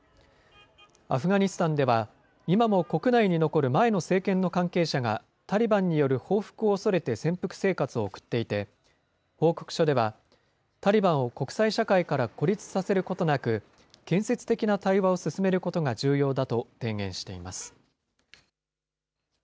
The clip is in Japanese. アフガニスタンでは、今も国内に残る前の政権の関係者が、タリバンによる報復を恐れて潜伏生活を送っていて、報告書では、タリバンを国際社会から孤立させることなく、建設的な対話を進めることが重要だと提言しています。